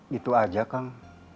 gitu aja kang